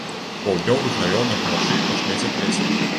У паўднёвых раёнах уначы пачне цяплець.